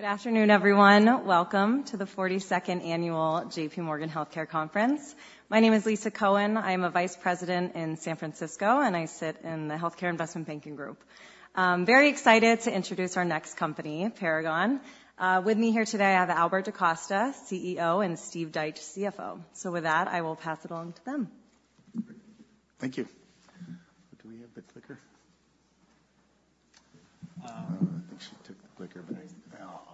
Good afternoon, everyone. Welcome to the 42nd annual J.P. Morgan Healthcare Conference. My name is Lisa Cohen. I am a vice president in San Francisco, and I sit in the Healthcare Investment Banking group. I'm very excited to introduce our next company, Paragon. With me here today, I have Albert DaCosta, CEO, and Steve Deitsch, CFO. So with that, I will pass it on to them. Thank you. Do we have the clicker? I think she took the clicker, but... Oh,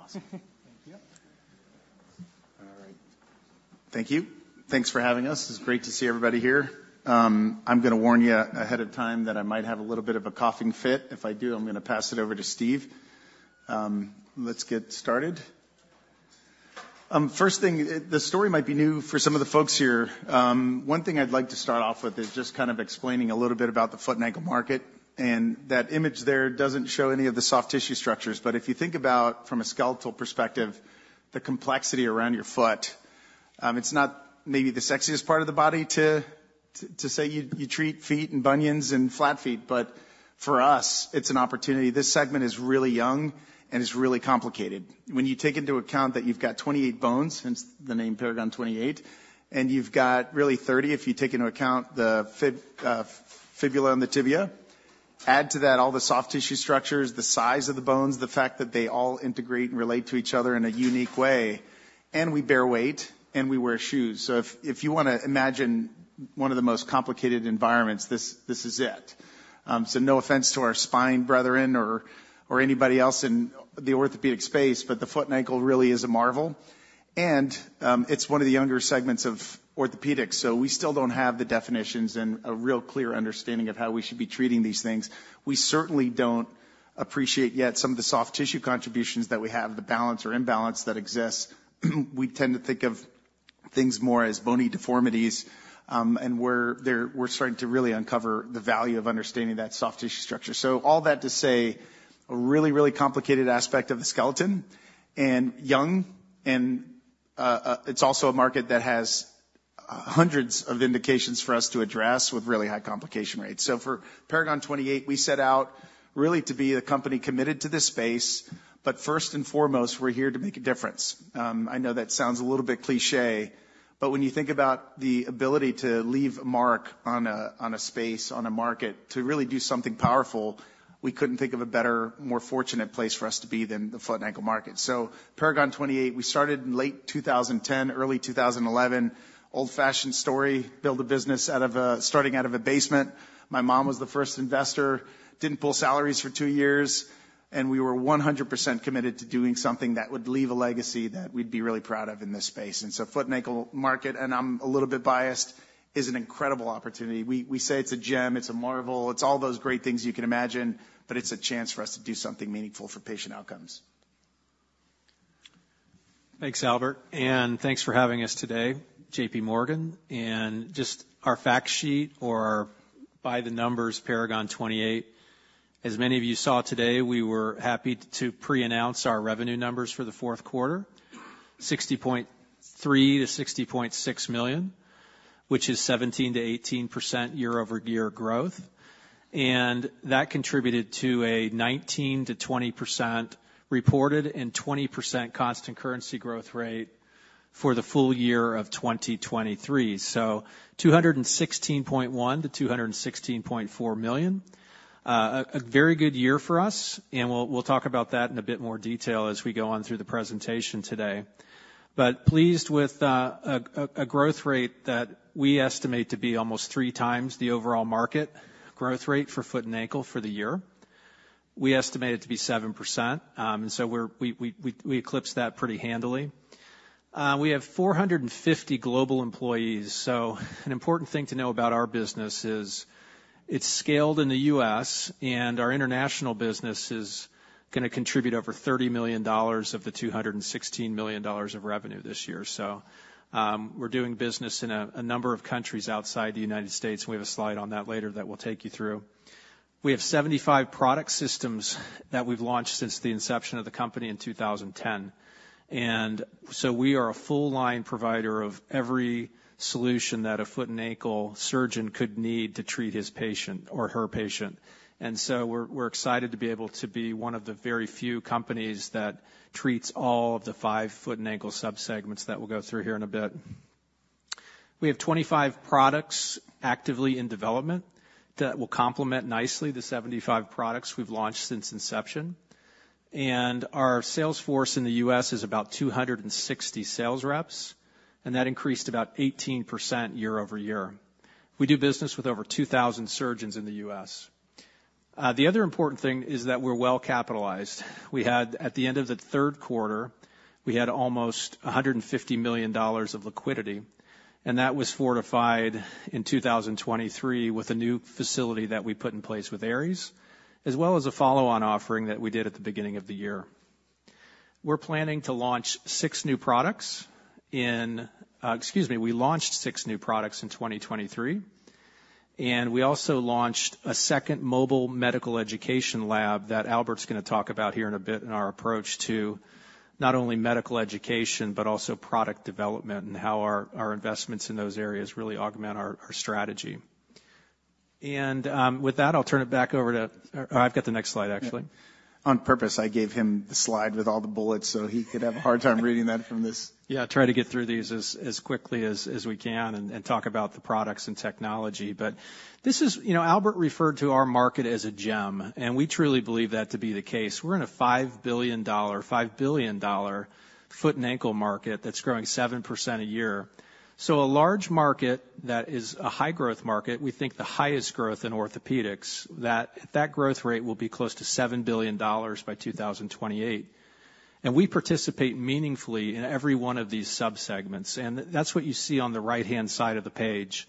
awesome. Thank you. All right. Thank you. Thanks for having us. It's great to see everybody here. I'm gonna warn you ahead of time that I might have a little bit of a coughing fit. If I do, I'm gonna pass it over to Steve. Let's get started. First thing, the story might be new for some of the folks here. One thing I'd like to start off with is just kind of explaining a little bit about the foot and ankle market, and that image there doesn't show any of the soft tissue structures. But if you think about from a skeletal perspective, the complexity around your foot, it's not maybe the sexiest part of the body to say you treat feet and bunions and flat feet, but for us, it's an opportunity. This segment is really young, and it's really complicated. When you take into account that you've got 28 bones, hence the name Paragon 28, and you've got really 30, if you take into account the fibula and the tibia. Add to that all the soft tissue structures, the size of the bones, the fact that they all integrate and relate to each other in a unique way, and we bear weight, and we wear shoes. So if you want to imagine one of the most complicated environments, this is it. So no offense to our spine brethren or anybody else in the orthopedic space, but the foot and ankle really is a marvel, and it's one of the younger segments of orthopedics. So we still don't have the definitions and a real clear understanding of how we should be treating these things. We certainly don't appreciate yet some of the soft tissue contributions that we have, the balance or imbalance that exists. We tend to think of things more as bony deformities, and we're starting to really uncover the value of understanding that soft tissue structure. So all that to say, a really, really complicated aspect of the skeleton and ankle, and it's also a market that has hundreds of indications for us to address with really high complication rates. So for Paragon 28, we set out really to be a company committed to this space, but first and foremost, we're here to make a difference. I know that sounds a little bit cliché, but when you think about the ability to leave a mark on a, on a space, on a market, to really do something powerful, we couldn't think of a better, more fortunate place for us to be than the foot and ankle market. So Paragon 28, we started in late 2010, early 2011. Old-fashioned story, starting out of a basement. My mom was the first investor, didn't pull salaries for two years, and we were 100% committed to doing something that would leave a legacy that we'd be really proud of in this space. And so foot and ankle market, and I'm a little bit biased, is an incredible opportunity. We say it's a gem, it's a marvel, it's all those great things you can imagine, but it's a chance for us to do something meaningful for patient outcomes. Thanks, Albert, and thanks for having us today, J.P. Morgan, and just our fact sheet or by the numbers, Paragon 28. As many of you saw today, we were happy to pre-announce our revenue numbers for the fourth quarter, $60.3 million-$60.6 million, which is 17%-18% year-over-year growth. And that contributed to a 19%-20% reported and 20% constant currency growth rate for the full year of 2023. So $216.1 million-$216.4 million. A very good year for us, and we'll talk about that in a bit more detail as we go on through the presentation today. But pleased with a growth rate that we estimate to be almost three times the overall market growth rate for foot and ankle for the year. We estimate it to be 7%, and so we eclipsed that pretty handily. We have 450 global employees. So an important thing to know about our business is it's scaled in the U.S., and our international business is gonna contribute over $30 million of the $216 million of revenue this year. So, we're doing business in a number of countries outside the United States. We have a slide on that later that we'll take you through. We have 75 product systems that we've launched since the inception of the company in 2010. And so we are a full-line provider of every solution that a foot and ankle surgeon could need to treat his patient or her patient. We're excited to be able to be one of the very few companies that treats all of the five foot and ankle subsegments that we'll go through here in a bit. We have 25 products actively in development that will complement nicely the 75 products we've launched since inception. Our sales force in the U.S. is about 260 sales reps, and that increased about 18% year-over-year. We do business with over 2,000 surgeons in the U.S. The other important thing is that we're well capitalized. We had at the end of the third quarter, we had almost $150 million of liquidity, and that was fortified in 2023 with a new facility that we put in place with Ares, as well as a follow-on offering that we did at the beginning of the year. We're planning to launch six new products in, Excuse me, we launched six new products in 2023, and we also launched a second mobile medical education lab that Albert's gonna talk about here in a bit in our approach to not only medical education, but also product development and how our investments in those areas really augment our strategy. With that, I'll turn it back over to. Or I've got the next slide, actually. On purpose, I gave him the slide with all the bullets, so he could have a hard time reading that from this. Yeah, try to get through these as quickly as we can and talk about the products and technology. But this is. You know, Albert referred to our market as a gem, and we truly believe that to be the case. We're in a $5 billion, $5 billion foot and ankle market that's growing 7% a year. So a large market that is a high-growth market, we think the highest growth in orthopedics, that growth rate will be close to $7 billion by 2028. And we participate meaningfully in every one of these subsegments, and that's what you see on the right-hand side of the page.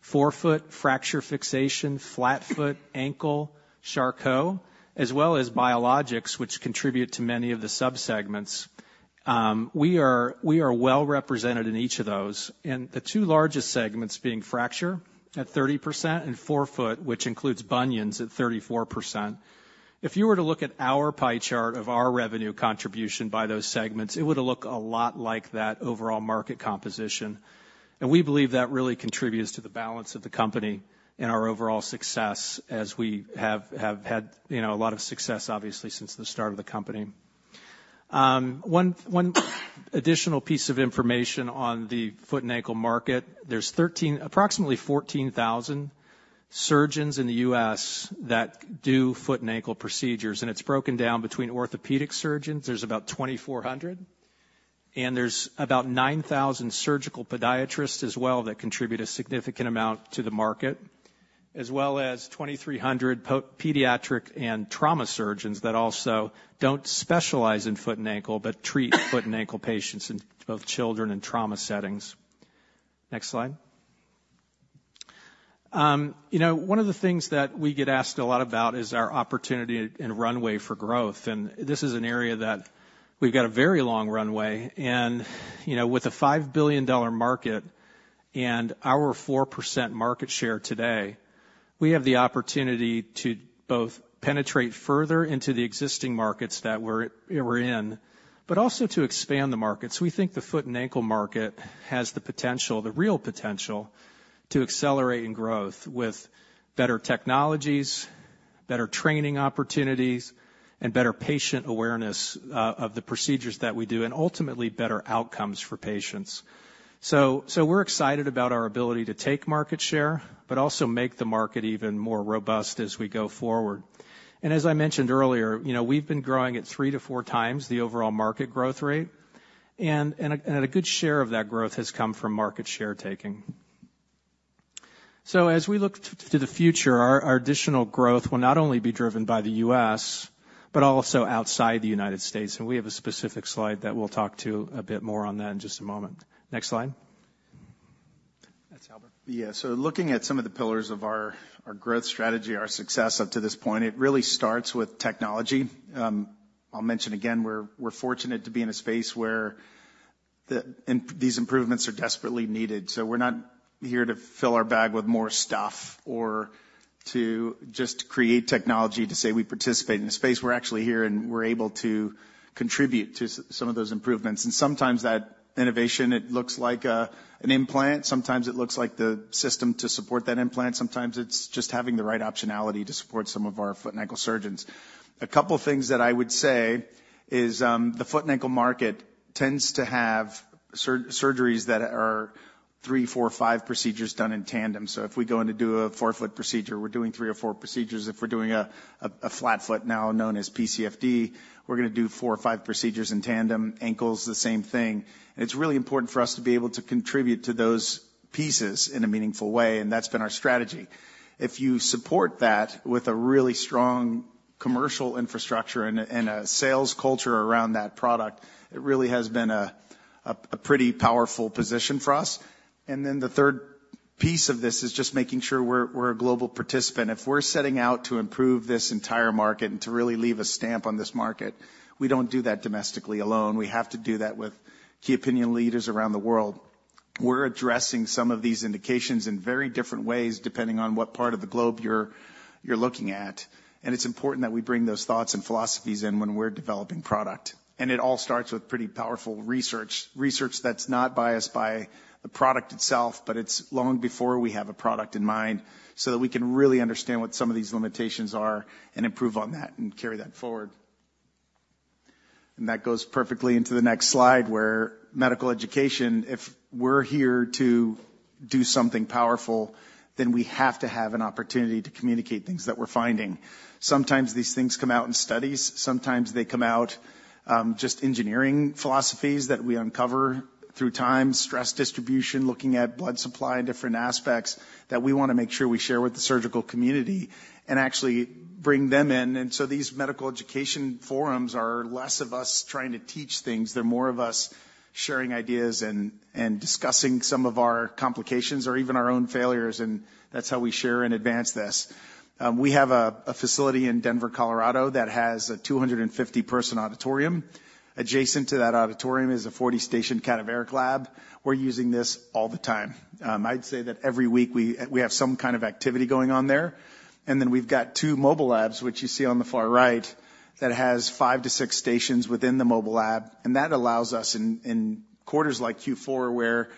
Forefoot, fracture fixation, flat foot, ankle, Charcot, as well as biologics, which contribute to many of the subsegments. We are well represented in each of those, and the two largest segments being fracture at 30% and forefoot, which includes bunions, at 34%. If you were to look at our pie chart of our revenue contribution by those segments, it would look a lot like that overall market composition. We believe that really contributes to the balance of the company and our overall success, as we have had, you know, a lot of success, obviously, since the start of the company. One additional piece of information on the foot and ankle market. There are approximately 14,000 surgeons in the U.S. that do foot and ankle procedures, and it's broken down between orthopedic surgeons. There's about 2,400, and there's about 9,000 surgical podiatrists as well, that contribute a significant amount to the market, as well as 2,300 pediatric and trauma surgeons that also don't specialize in foot and ankle, but treat foot and ankle patients in both children and trauma settings. Next slide. You know, one of the things that we get asked a lot about is our opportunity and runway for growth, and this is an area that we've got a very long runway and, you know, with a $5 billion market and our 4% market share today, we have the opportunity to both penetrate further into the existing markets that we're, we're in, but also to expand the markets. We think the foot and ankle market has the potential, the real potential, to accelerate in growth with better technologies, better training opportunities, and better patient awareness of the procedures that we do, and ultimately, better outcomes for patients. So we're excited about our ability to take market share, but also make the market even more robust as we go forward. And as I mentioned earlier, you know, we've been growing at 3x-4x the overall market growth rate, and a good share of that growth has come from market share taking. So as we look to the future, our additional growth will not only be driven by the U.S., but also outside the United States, and we have a specific slide that we'll talk to a bit more on that in just a moment. Next slide. That's Albert. Yeah. So looking at some of the pillars of our growth strategy, our success up to this point, it really starts with technology. I'll mention again, we're fortunate to be in a space where these improvements are desperately needed. So we're not here to fill our bag with more stuff or to just create technology to say we participate in a space. We're actually here, and we're able to contribute to some of those improvements, and sometimes that innovation, it looks like an implant, sometimes it looks like the system to support that implant, sometimes it's just having the right optionality to support some of our foot and ankle surgeons. A couple things that I would say is, the foot and ankle market tends to have surgeries that are three, four or five procedures done in tandem. So if we go in to do a forefoot procedure, we're doing three or four procedures. If we're doing a flat foot, now known as PCFD, we're gonna do four or five procedures in tandem. Ankles, the same thing. And it's really important for us to be able to contribute to those pieces in a meaningful way, and that's been our strategy. If you support that with a really strong commercial infrastructure and a sales culture around that product, it really has been a pretty powerful position for us. And then the third piece of this is just making sure we're a global participant. If we're setting out to improve this entire market and to really leave a stamp on this market, we don't do that domestically alone. We have to do that with key opinion leaders around the world. We're addressing some of these indications in very different ways, depending on what part of the globe you're looking at. It's important that we bring those thoughts and philosophies in when we're developing product. That goes perfectly into the next slide, where medical education, if we're here to do something powerful, then we have to have an opportunity to communicate things that we're finding. Sometimes these things come out in studies, sometimes they come out just engineering philosophies that we uncover through time, stress distribution, looking at blood supply and different aspects that we want to make sure we share with the surgical community and actually bring them in. And so these medical education forums are less of us trying to teach things. They're more of us sharing ideas and, and discussing some of our complications or even our own failures, and that's how we share and advance this. We have a, a facility in Denver, Colorado, that has a 250-person auditorium. Adjacent to that auditorium is a 40-station cadaveric lab. We're using this all the time. I'd say that every week we, we have some kind of activity going on there. And then we've got two mobile labs, which you see on the far right, that has five to six stations within the mobile lab, and that allows us in quarters like Q4, where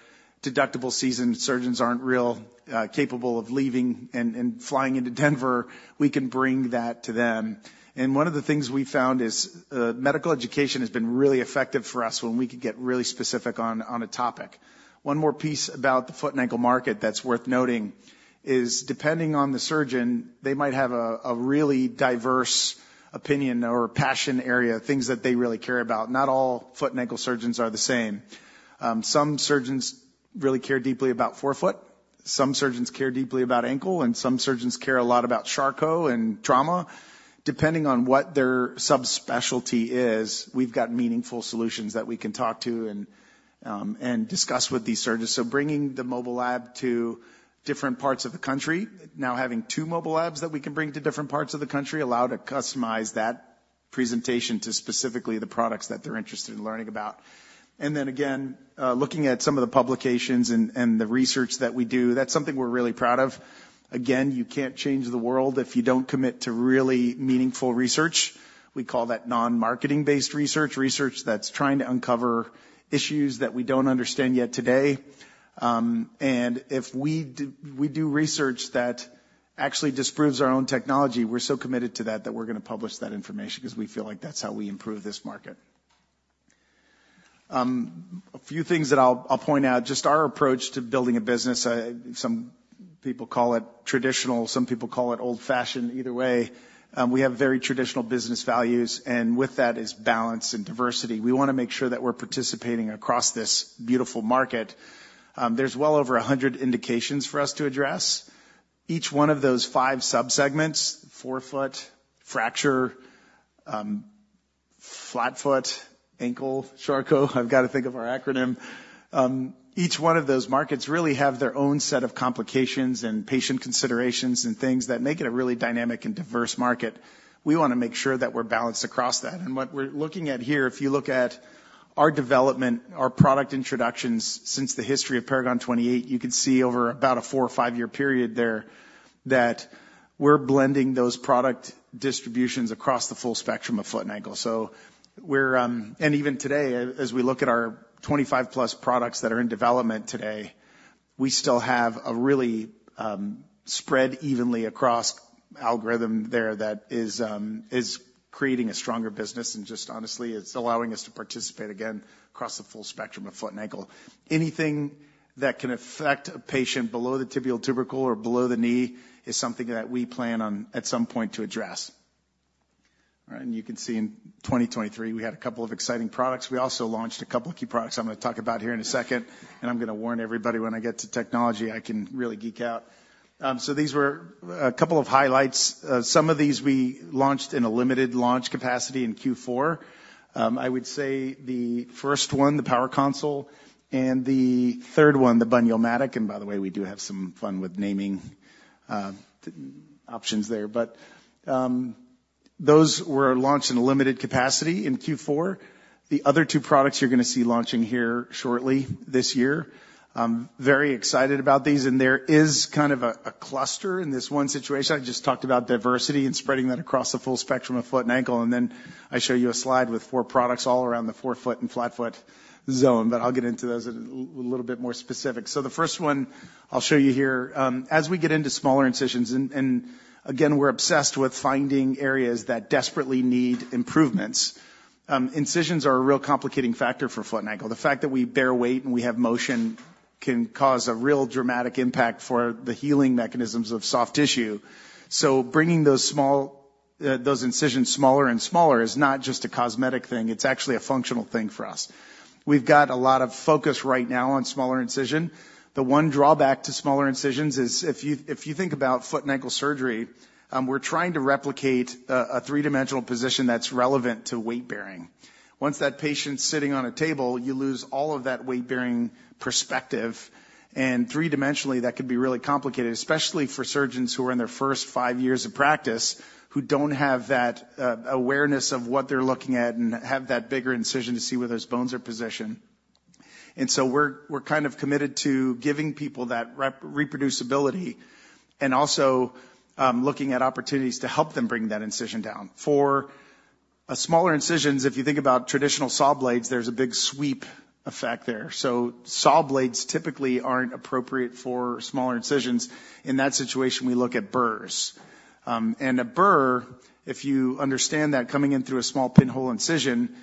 deductible season, surgeons aren't really capable of leaving and flying into Denver. We can bring that to them. And one of the things we found is, medical education has been really effective for us when we could get really specific on a topic. One more piece about the foot and ankle market that's worth noting is, depending on the surgeon, they might have a really diverse opinion or a passion area, things that they really care about. Not all foot and ankle surgeons are the same. Some surgeons really care deeply about forefoot, some surgeons care deeply about ankle, and some surgeons care a lot about Charcot and trauma. Depending on what their subspecialty is, we've got meaningful solutions that we can talk to and discuss with these surgeons. So bringing the mobile lab to different parts of the country, now having two mobile labs that we can bring to different parts of the country, allow to customize that presentation to specifically the products that they're interested in learning about. And then again, looking at some of the publications and the research that we do, that's something we're really proud of. Again, you can't change the world if you don't commit to really meaningful research. We call that non-marketing-based research, research that's trying to uncover issues that we don't understand yet today. And if we do, we do research that actually disproves our own technology, we're so committed to that, that we're gonna publish that information because we feel like that's how we improve this market. A few things that I'll point out, just our approach to building a business. Some people call it traditional, some people call it old-fashioned. Either way, we have very traditional business values, and with that is balance and diversity. We wanna make sure that we're participating across this beautiful market. There's well over 100 indications for us to address. Each one of those five subsegments: forefoot, fracture, flat foot, ankle, Charcot. I've got to think of our acronym. Each one of those markets really have their own set of complications and patient considerations, and things that make it a really dynamic and diverse market. We wanna make sure that we're balanced across that. What we're looking at here, if you look at our development, our product introductions since the history of Paragon 28, you could see over about a four or five year period there, that we're blending those product distributions across the full spectrum of foot and ankle. So we're. Even today, as we look at our 25+ products that are in development today, we still have a really spread evenly across algorithm there that is creating a stronger business. Just honestly, it's allowing us to participate again, across the full spectrum of foot and ankle. Anything that can affect a patient below the tibial tubercle or below the knee is something that we plan on at some point to address. All right, and you can see in 2023, we had a couple of exciting products. We also launched a couple of key products I'm gonna talk about here in a second, and I'm gonna warn everybody, when I get to technology, I can really geek out. So these were a couple of highlights. Some of these we launched in a limited launch capacity in Q4. I would say the first one, the Power Console, and the third one, the Bun-Yo-Matic, and by the way, we do have some fun with naming options there. But those were launched in a limited capacity in Q4. The other two products you're gonna see launching here shortly this year. I'm very excited about these, and there is kind of a cluster in this one situation. I just talked about diversity and spreading that across the full spectrum of foot and ankle, and then I show you a slide with four products all around the forefoot and flat foot zone, but I'll get into those in a little bit more specific. So the first one I'll show you here. As we get into smaller incisions, and, and again, we're obsessed with finding areas that desperately need improvements. Incisions are a real complicating factor for foot and ankle. The fact that we bear weight and we have motion can cause a real dramatic impact for the healing mechanisms of soft tissue. So bringing those small, those incisions smaller and smaller is not just a cosmetic thing, it's actually a functional thing for us. We've got a lot of focus right now on smaller incision. The one drawback to smaller incisions is if you think about foot and ankle surgery, we're trying to replicate a three-dimensional position that's relevant to weight bearing. Once that patient's sitting on a table, you lose all of that weight-bearing perspective, and three-dimensionally, that could be really complicated, especially for surgeons who are in their first five years of practice, who don't have that awareness of what they're looking at and have that bigger incision to see where those bones are positioned. And so we're kind of committed to giving people that reproducibility and also looking at opportunities to help them bring that incision down. For smaller incisions, if you think about traditional saw blades, there's a big sweep effect there. So saw blades typically aren't appropriate for smaller incisions. In that situation, we look at burrs. And a burr, if you understand that, coming in through a small pinhole incision,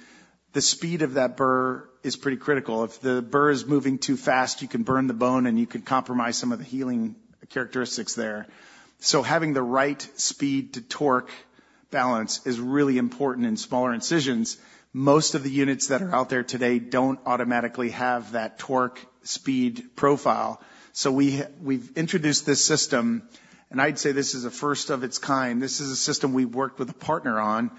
the speed of that burr is pretty critical. If the burr is moving too fast, you can burn the bone, and you could compromise some of the healing characteristics there. So having the right speed to torque balance is really important in smaller incisions. Most of the units that are out there today don't automatically have that torque speed profile. So we've introduced this system, and I'd say this is a first of its kind. This is a system we've worked with a partner on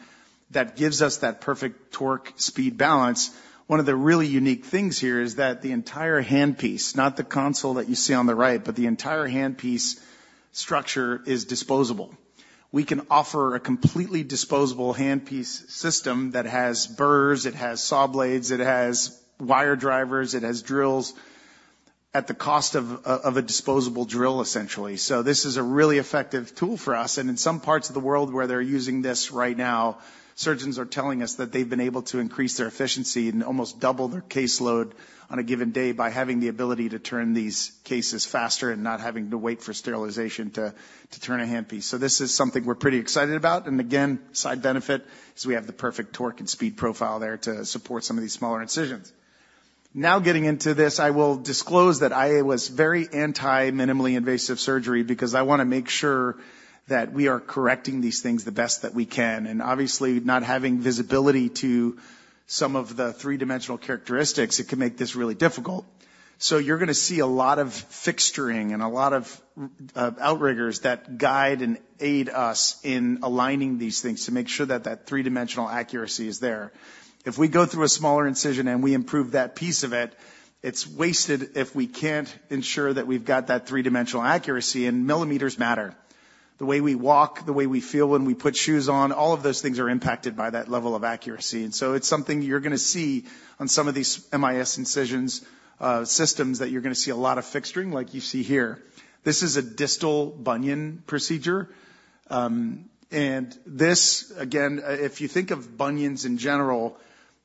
that gives us that perfect torque speed balance. One of the really unique things here is that the entire handpiece, not the console that you see on the right, but the entire handpiece structure is disposable. We can offer a completely disposable handpiece system that has burrs, it has saw blades, it has wire drivers, it has drills, at the cost of, of a disposable drill, essentially. So this is a really effective tool for us, and in some parts of the world where they're using this right now, surgeons are telling us that they've been able to increase their efficiency and almost double their caseload on a given day by having the ability to turn these cases faster and not having to wait for sterilization to turn a handpiece. So this is something we're pretty excited about. And again, side benefit is we have the perfect torque and speed profile there to support some of these smaller incisions. Now, getting into this, I will disclose that I was very anti-minimally invasive surgery because I wanna make sure that we are correcting these things the best that we can. Obviously, not having visibility to some of the three-dimensional characteristics, it can make this really difficult. You're gonna see a lot of fixturing and a lot of, of outriggers that guide and aid us in aligning these things to make sure that that three-dimensional accuracy is there. If we go through a smaller incision and we improve that piece of it, it's wasted if we can't ensure that we've got that three-dimensional accuracy, and millimeters matter. The way we walk, the way we feel when we put shoes on, all of those things are impacted by that level of accuracy, and so it's something you're gonna see on some of these MIS incisions, systems, that you're gonna see a lot of fixturing, like you see here. This is a distal bunion procedure. And this, again, if you think of bunions in general,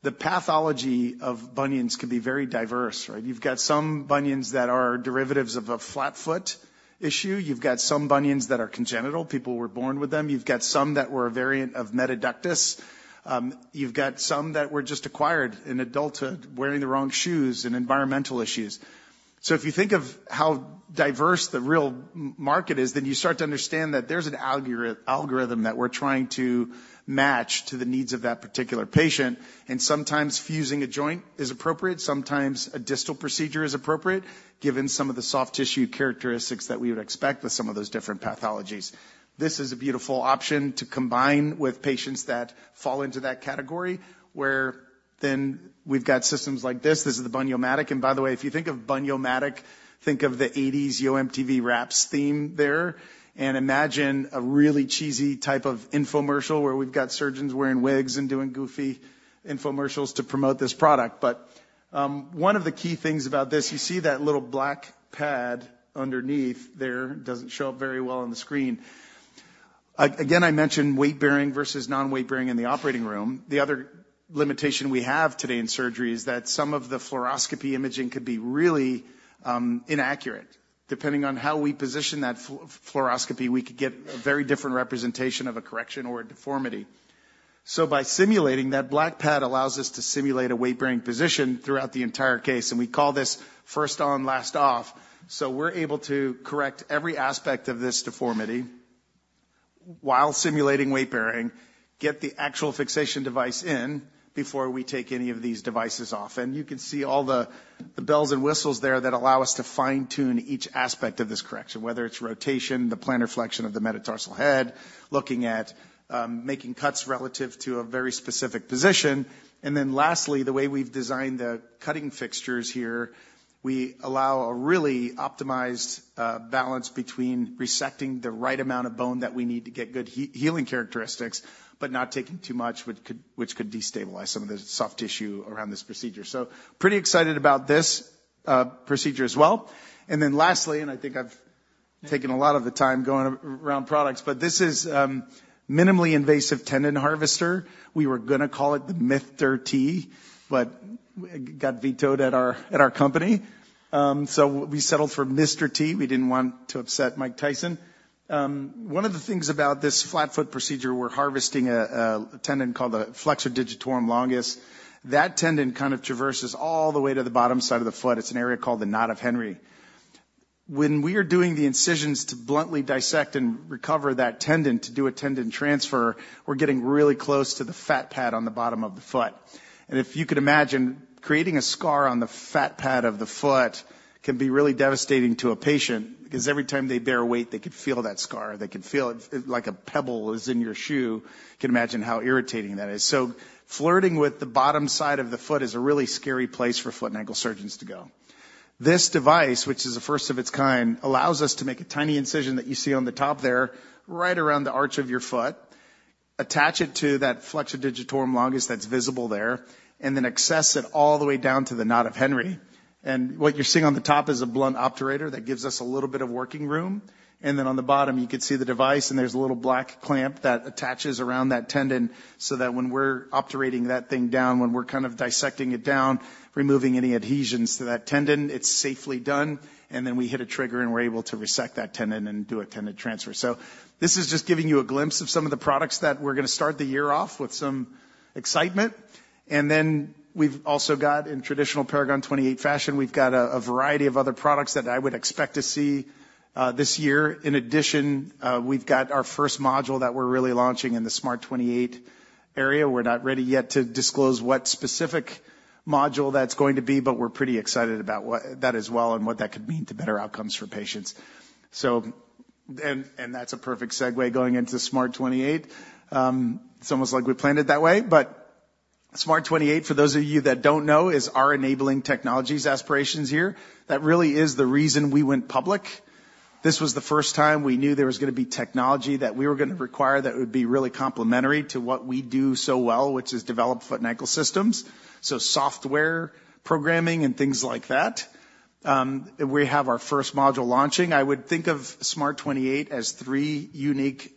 the pathology of bunions could be very diverse, right? You've got some bunions that are derivatives of a flat foot issue. You've got some bunions that are congenital, people were born with them. You've got some that were a variant of metatarsus adductus. You've got some that were just acquired in adulthood, wearing the wrong shoes and environmental issues. So if you think of how diverse the real market is, then you start to understand that there's an algorithm that we're trying to match to the needs of that particular patient, and sometimes fusing a joint is appropriate, sometimes a distal procedure is appropriate, given some of the soft tissue characteristics that we would expect with some of those different pathologies. This is a beautiful option to combine with patients that fall into that category, where then we've got systems like this. This is the Bun-Yo-Matic, and by the way, if you think of Bun-Yo-Matic, think of the eighties Yo! MTV Raps theme there, and imagine a really cheesy type of infomercial where we've got surgeons wearing wigs and doing goofy infomercials to promote this product. But, one of the key things about this, you see that little black pad underneath there. Doesn't show up very well on the screen. Again, I mentioned weight bearing versus non-weight bearing in the operating room. The other limitation we have today in surgery is that some of the fluoroscopy imaging could be really inaccurate. Depending on how we position that fluoroscopy, we could get a very different representation of a correction or a deformity. So by simulating, that black pad allows us to simulate a weight-bearing position throughout the entire case, and we call this first on, last off. So we're able to correct every aspect of this deformity while simulating weight bearing, get the actual fixation device in before we take any of these devices off. You can see all the bells and whistles there that allow us to fine-tune each aspect of this correction, whether it's rotation, the plantar flexion of the metatarsal head, looking at making cuts relative to a very specific position. And then lastly, the way we've designed the cutting fixtures here, we allow a really optimized balance between resecting the right amount of bone that we need to get good healing characteristics, but not taking too much, which could destabilize some of the soft tissue around this procedure. So pretty excited about this procedure as well. And then lastly, and I think I've taken a lot of the time going around products, but this is minimally invasive tendon harvester. We were gonna call it the Mister T, but it got vetoed at our company. So we settled for Mr. T. we didn't want to upset Mike Tyson. One of the things about this flat foot procedure, we're harvesting a tendon called the flexor digitorum longus. That tendon kind of traverses all the way to the bottom side of the foot. It's an area called the Knot of Henry. When we are doing the incisions to bluntly dissect and recover that tendon to do a tendon transfer, we're getting really close to the fat pad on the bottom of the foot. And if you could imagine, creating a scar on the fat pad of the foot can be really devastating to a patient, 'cause every time they bear weight, they could feel that scar. They can feel it like a pebble is in your shoe. You can imagine how irritating that is. So flirting with the bottom side of the foot is a really scary place for foot and ankle surgeons to go. This device, which is the first of its kind, allows us to make a tiny incision that you see on the top there, right around the arch of your foot, attach it to that flexor digitorum longus that's visible there, and then access it all the way down to the Knot of Henry. And what you're seeing on the top is a blunt operator that gives us a little bit of working room. And then on the bottom, you can see the device, and there's a little black clamp that attaches around that tendon, so that when we're operating that thing down, when we're kind of dissecting it down, removing any adhesions to that tendon, it's safely done. Then we hit a trigger, and we're able to resect that tendon and do a tendon transfer. So this is just giving you a glimpse of some of the products that we're gonna start the year off with some excitement. Then we've also got, in traditional Paragon 28 fashion, we've got a variety of other products that I would expect to see this year. In addition, we've got our first module that we're really launching in the SMART 28 area. We're not ready yet to disclose what specific module that's going to be, but we're pretty excited about what that as well and what that could mean to better outcomes for patients. So. And that's a perfect segue going into SMART 28. It's almost like we planned it that way, but SMART 28, for those of you that don't know, is our enabling technologies aspirations here. That really is the reason we went public. This was the first time we knew there was going to be technology that we were going to require that would be really complementary to what we do so well, which is develop foot and ankle systems, so software programming and things like that. We have our first module launching. I would think of SMART 28 as three unique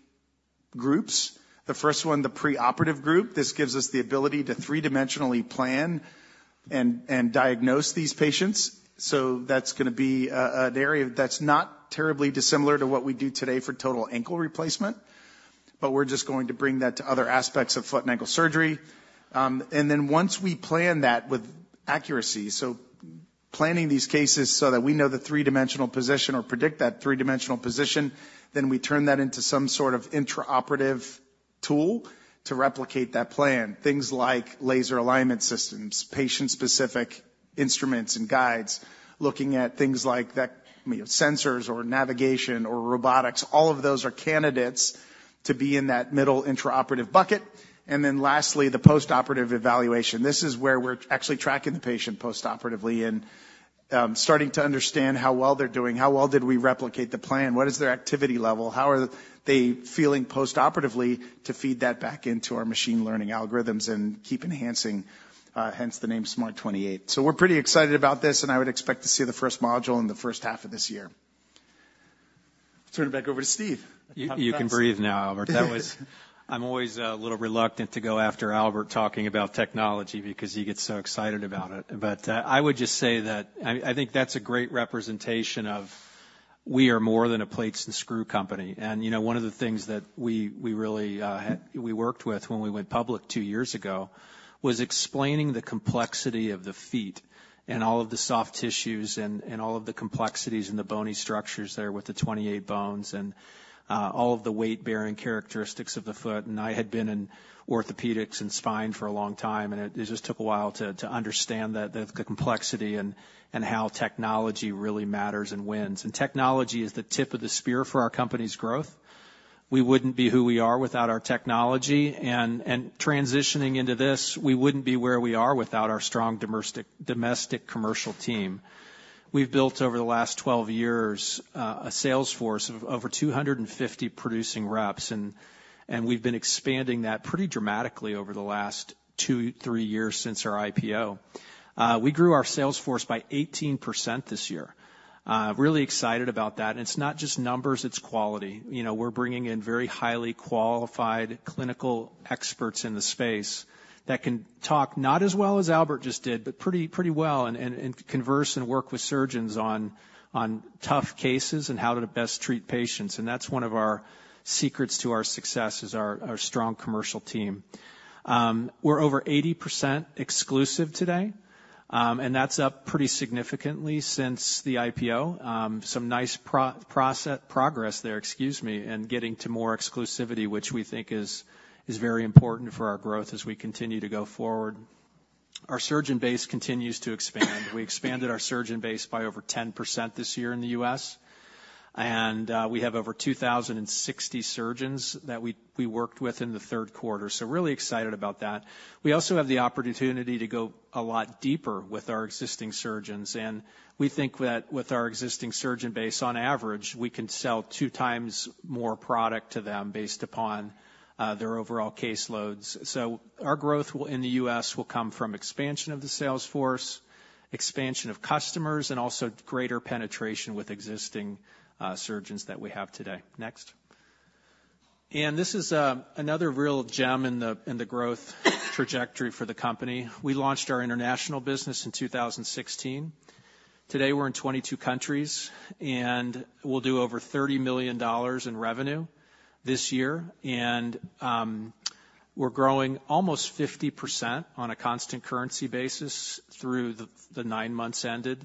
groups. The first one, the preoperative group. This gives us the ability to three-dimensionally plan and diagnose these patients. So that's going to be an area that's not terribly dissimilar to what we do today for total ankle replacement, but we're just going to bring that to other aspects of foot and ankle surgery. And then once we plan that with accuracy, so planning these cases so that we know the three-dimensional position or predict that three-dimensional position, then we turn that into some sort of intraoperative tool to replicate that plan. Things like laser alignment systems, patient-specific instruments and guides, looking at things like that, you know, sensors or navigation or robotics, all of those are candidates to be in that middle intraoperative bucket. And then lastly, the postoperative evaluation. This is where we're actually tracking the patient postoperatively and starting to understand how well they're doing, how well did we replicate the plan? What is their activity level? How are they feeling postoperatively, to feed that back into our machine learning algorithms and keep enhancing, hence the name SMART 28. So we're pretty excited about this, and I would expect to see the first module in the first half of this year. Turn it back over to Steve. You can breathe now, Albert. That was. I'm always a little reluctant to go after Albert talking about technology because he gets so excited about it. But, I would just say that I think that's a great representation of we are more than a plates and screw company. And you know, one of the things that we really worked with when we went public two years ago, was explaining the complexity of the feet and all of the soft tissues and all of the complexities and the bony structures there with the 28 bones and all of the weight-bearing characteristics of the foot. And I had been in orthopedics and spine for a long time, and it just took a while to understand that the complexity and how technology really matters and wins. Technology is the tip of the spear for our company's growth. We wouldn't be who we are without our technology, and transitioning into this, we wouldn't be where we are without our strong domestic commercial team. We've built, over the last 12 years, a sales force of over 250 producing reps, and we've been expanding that pretty dramatically over the last two, three years since our IPO. We grew our sales force by 18% this year. Really excited about that, and it's not just numbers, it's quality. You know, we're bringing in very highly qualified clinical experts in the space that can talk, not as well as Albert just did, but pretty, pretty well and converse and work with surgeons on tough cases and how to best treat patients. That's one of our secrets to our success, is our, our strong commercial team. We're over 80% exclusive today, and that's up pretty significantly since the IPO. Some nice progress there, excuse me, and getting to more exclusivity, which we think is very important for our growth as we continue to go forward. Our surgeon base continues to expand. We expanded our surgeon base by over 10% this year in the U.S., and we have over 2,060 surgeons that we worked with in the third quarter, so really excited about that. We also have the opportunity to go a lot deeper with our existing surgeons, and we think that with our existing surgeon base, on average, we can sell two times more product to them based upon their overall case loads. So our growth will, in the U.S., will come from expansion of the sales force, expansion of customers, and also greater penetration with existing surgeons that we have today. Next. This is another real gem in the growth trajectory for the company. We launched our international business in 2016. Today, we're in 22 countries, and we'll do over $30 million in revenue this year. And we're growing almost 50% on a constant currency basis through the nine months ended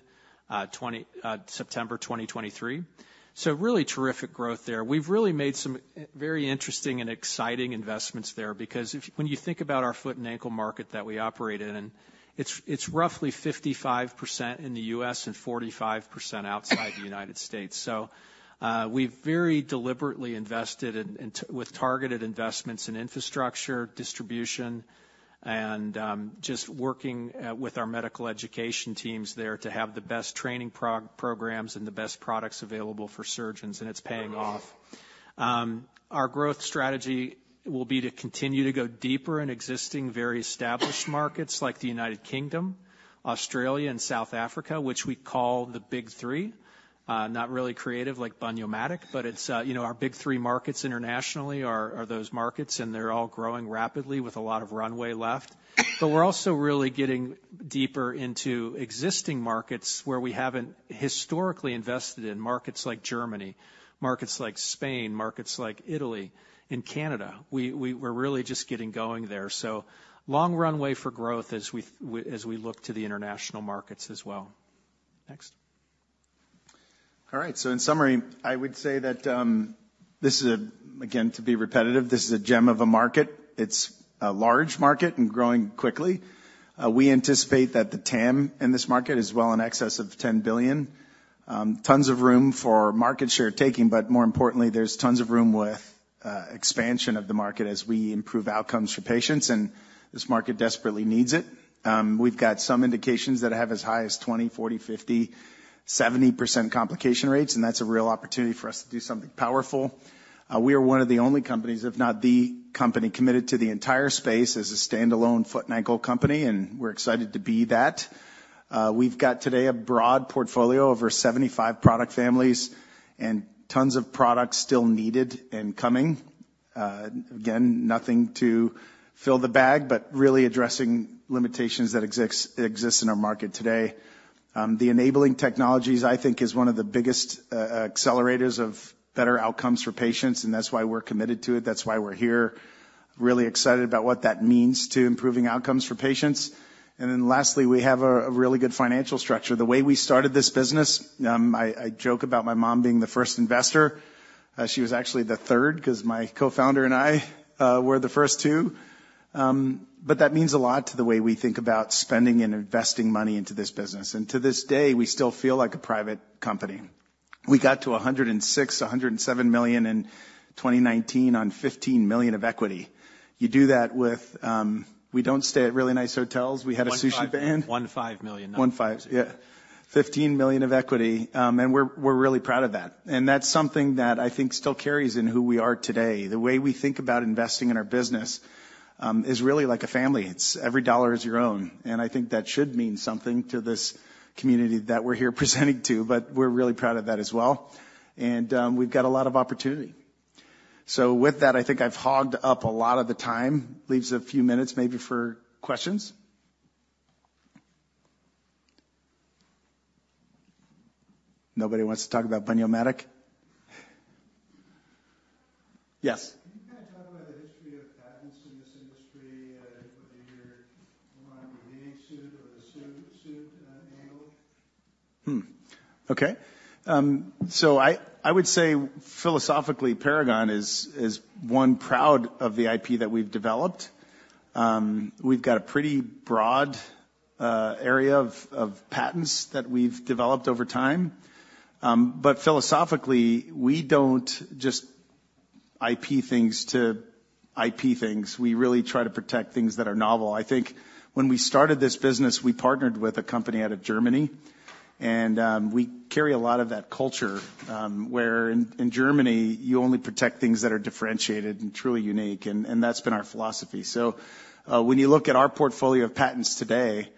September 2023. So really terrific growth there. We've really made some very interesting and exciting investments there, because when you think about our foot and ankle market that we operate in, and it's roughly 55% in the U.S. and 45% outside the United States. So, we've very deliberately invested in with targeted investments in infrastructure, distribution, and just working with our medical education teams there to have the best training programs and the best products available for surgeons, and it's paying off. Our growth strategy will be to continue to go deeper in existing, very established markets like the United Kingdom, Australia, and South Africa, which we call the Big Three. Not really creative like Bun-Yo-Matic, but it's, you know, our big three markets internationally are those markets, and they're all growing rapidly with a lot of runway left. But we're also really getting deeper into existing markets where we haven't historically invested in markets like Germany, markets like Spain, markets like Italy and Canada. We're really just getting going there. So long runway for growth as we look to the international markets as well. Next.... All right, so in summary, I would say that, this is a, again, to be repetitive, this is a gem of a market. It's a large market and growing quickly. We anticipate that the TAM in this market is well in excess of $10 billion. Tons of room for market share taking, but more importantly, there's tons of room with, expansion of the market as we improve outcomes for patients, and this market desperately needs it. We've got some indications that have as high as 20%, 40%, 50%, 70% complication rates, and that's a real opportunity for us to do something powerful. We are one of the only companies, if not the company, committed to the entire space as a standalone foot and ankle company, and we're excited to be that. We've got today a broad portfolio, over 75 product families and tons of products still needed and coming. Again, nothing to fill the bag, but really addressing limitations that exists, exists in our market today. The enabling technologies, I think, is one of the biggest accelerators of better outcomes for patients, and that's why we're committed to it. That's why we're here. Really excited about what that means to improving outcomes for patients. And then lastly, we have a really good financial structure. The way we started this business, I joke about my mom being the first investor. She was actually the third, 'cause my co-founder and I were the first two. But that means a lot to the way we think about spending and investing money into this business, and to this day, we still feel like a private company. We got to $106 million-$107 million in 2019 on $15 million of equity. You do that with, we don't stay at really nice hotels. We had a Sushi bando. $15 million. Yeah. $15 million of equity, and we're, we're really proud of that. And that's something that I think still carries in who we are today. The way we think about investing in our business is really like a family. It's every dollar is your own, and I think that should mean something to this community that we're here presenting to, but we're really proud of that as well. And we've got a lot of opportunity. So with that, I think I've hogged up a lot of the time, leaves a few minutes, maybe for questions. Nobody wants to talk about Bun-Yo-Matic? Yes. Can you kinda talk about the history of patents in this industry, whether you're on the sued or the sued angle? Okay. So I would say philosophically, Paragon is one proud of the IP that we've developed. We've got a pretty broad area of patents that we've developed over time. But philosophically, we don't just IP things to IP things. We really try to protect things that are novel. I think when we started this business, we partnered with a company out of Germany, and we carry a lot of that culture, where in Germany, you only protect things that are differentiated and truly unique, and that's been our philosophy. So, when you look at our portfolio of patents today,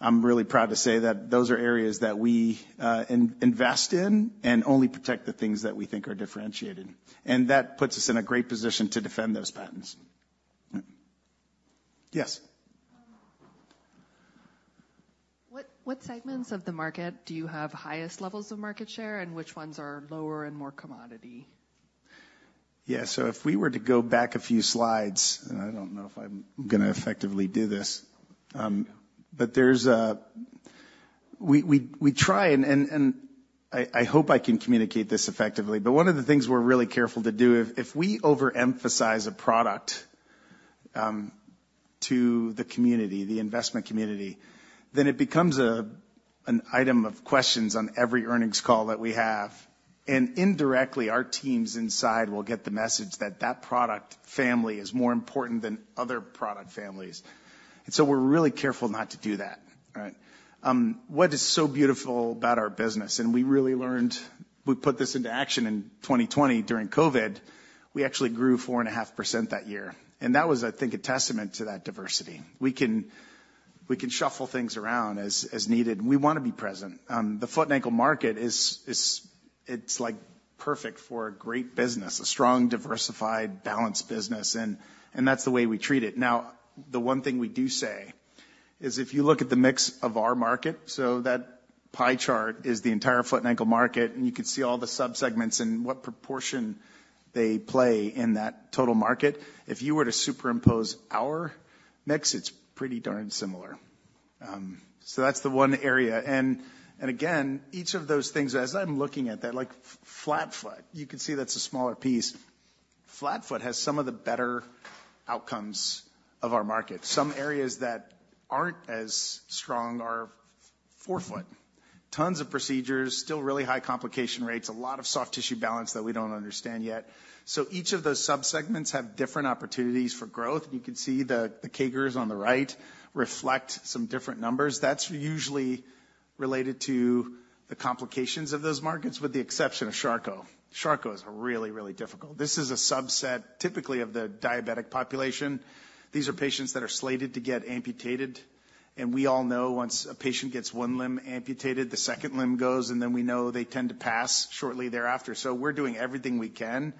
I'm really proud to say that those are areas that we invest in and only protect the things that we think are differentiated, and that puts us in a great position to defend those patents. Yes. What segments of the market do you have highest levels of market share, and which ones are lower and more commodity? Yeah, so if we were to go back a few slides, and I don't know if I'm gonna effectively do this, but there's a... We try and I hope I can communicate this effectively, but one of the things we're really careful to do, if we overemphasize a product to the community, the investment community, then it becomes an item of questions on every earnings call that we have. And indirectly, our teams inside will get the message that that product family is more important than other product families. And so we're really careful not to do that. All right? What is so beautiful about our business, and we really learned. We put this into action in 2020 during COVID, we actually grew 4.5% that year, and that was, I think, a testament to that diversity. We can, we can shuffle things around as, as needed, and we wanna be present. The foot and ankle market is, is, it's like perfect for a great business, a strong, diversified, balanced business, and, and that's the way we treat it. Now, the one thing we do say is, if you look at the mix of our market, so that pie chart is the entire foot and ankle market, and you could see all the subsegments and what proportion they play in that total market. If you were to superimpose our mix, it's pretty darn similar. So that's the one area. And again, each of those things, as I'm looking at that, like flat foot, you can see that's a smaller piece. Flat foot has some of the better outcomes of our market. Some areas that aren't as strong are forefoot. Tons of procedures, still really high complication rates, a lot of soft tissue balance that we don't understand yet. So each of those subsegments have different opportunities for growth, and you can see the CAGRs on the right reflect some different numbers. That's usually related to the complications of those markets, with the exception of Charcot. Charcot is really, really difficult. This is a subset, typically of the diabetic population. These are patients that are slated to get amputated, and we all know once a patient gets one limb amputated, the second limb goes, and then we know they tend to pass shortly thereafter. So we're doing everything we can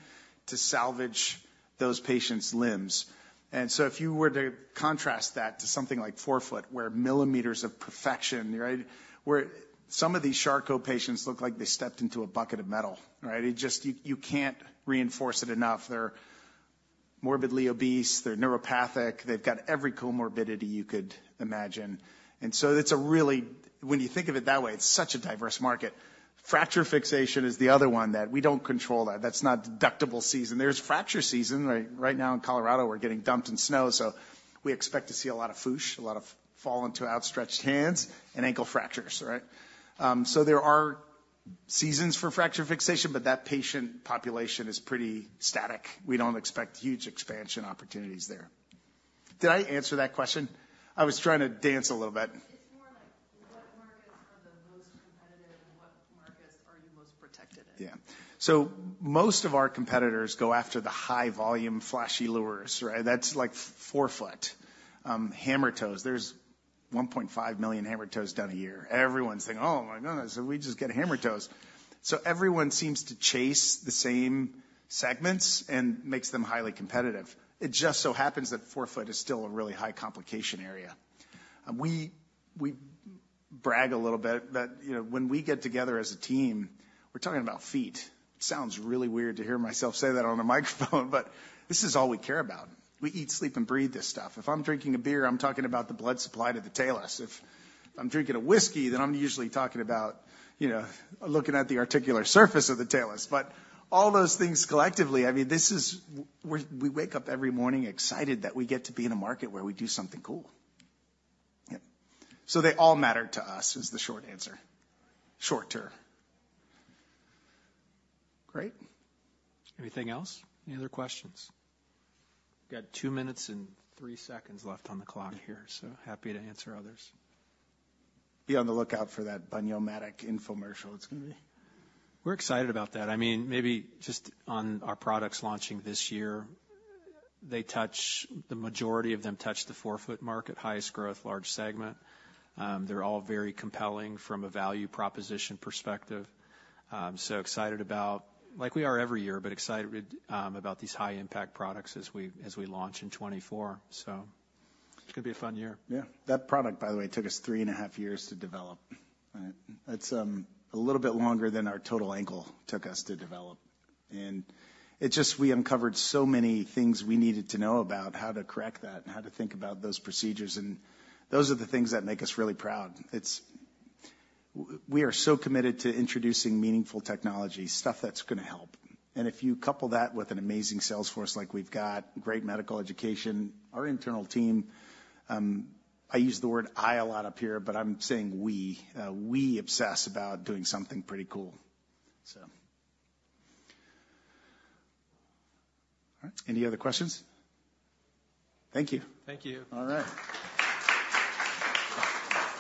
to salvage those patients' limbs. And so if you were to contrast that to something like forefoot, where millimeters of perfection, right? Where some of these Charcot patients look like they stepped into a bucket of metal, right? It just. You, you can't reinforce it enough. They're morbidly obese, they're neuropathic, they've got every comorbidity you could imagine. And so it's a really, when you think of it that way, it's such a diverse market. Fracture fixation is the other one that we don't control that. That's not deductible season. There's fracture season, right? Right now in Colorado, we're getting dumped in snow, so we expect to see a lot of FOOSH, a lot of fall into outstretched hands and ankle fractures, right? So there are seasons for fracture fixation, but that patient population is pretty static. We don't expect huge expansion opportunities there. Did I answer that question? I was trying to dance a little bit. It's more like, what markets are the most competitive, and what markets are you most protected in? Yeah. So most of our competitors go after the high volume, flashy lures, right? That's like forefoot. Hammertoes. There's 1.5 million hammertoes done a year. Everyone's thinking, "Oh, my goodness, so we just get hammertoes." So everyone seems to chase the same segments and makes them highly competitive. It just so happens that forefoot is still a really high complication area. We, we brag a little bit, but, you know, when we get together as a team, we're talking about feet. Sounds really weird to hear myself say that on a microphone, but this is all we care about. We eat, sleep, and breathe this stuff. If I'm drinking a beer, I'm talking about the blood supply to the talus. If I'm drinking a whiskey, then I'm usually talking about, you know, looking at the articular surface of the talus. All those things collectively, I mean, this is—we wake up every morning excited that we get to be in a market where we do something cool. Yeah. So they all matter to us, is the short answer. Short term. Great. Anything else? Any other questions? We've got two minutes and three seconds left on the clock here, so happy to answer others. Be on the lookout for that Bun-Yo-Matic infomercial. It's gonna be- We're excited about that. I mean, maybe just on our products launching this year, they touch, the majority of them touch the forefoot market, highest growth, large segment. They're all very compelling from a value proposition perspective. So excited about... like we are every year, but excited, about these high-impact products as we launch in 2024. So it's gonna be a fun year. Yeah. That product, by the way, took us 3.5 years to develop. It's a little bit longer than our total ankle took us to develop, and it just—we uncovered so many things we needed to know about how to correct that and how to think about those procedures, and those are the things that make us really proud. It's—we are so committed to introducing meaningful technology, stuff that's gonna help. And if you couple that with an amazing sales force like we've got, great medical education, our internal team, I use the word I a lot up here, but I'm saying we. We obsess about doing something pretty cool, so. All right, any other questions? Thank you. Thank you. All right.